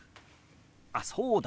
あっそうだ！